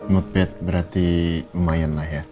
not bad berarti lumayan lah ya